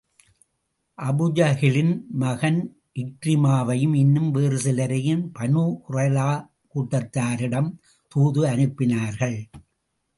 அபுஜஹிலின் மகன் இக்ரிமாவையும் இன்னும் வேறு சிலரையும் பனூ குறைலா கூட்டத்தாரிடம் தூது அனுப்பினார்கள்.